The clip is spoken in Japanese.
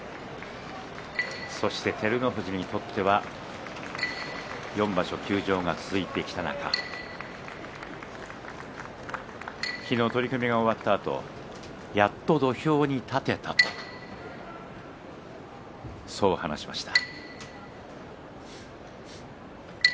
そして照ノ富士にとっては４場所休場が続いてきた中昨日、取組が終わったあとやっと土俵に立てたとそう話しました。